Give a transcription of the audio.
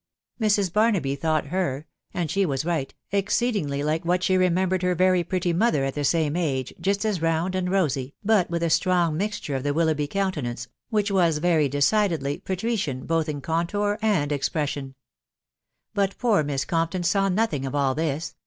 Mrs. Barnaby thoug\it.ne* — axui &* TBS WIDOW ttkHtfAVr, 5J> was right — exceedingly like what she remembered her very, pretty mother at the same age, just at round and rosy, but with a strong mixture of the, Wiilo»ighby countenance* which* was very* decidedly " Patrician " both in contour and ex pressunu. But poor* Miss^Gompton' saw 'nothing efi all this